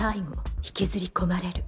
引きずり込まれる